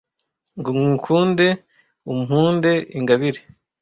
Ngo ngukunde umpunde ingabire